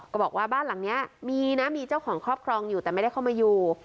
ก็บอกว่าบ้านหลังนี้มีนะมีเจ้าของครอบครองอยู่แต่ไม่ได้เข้ามาอยู่